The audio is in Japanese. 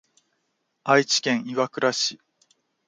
愛知県岩倉市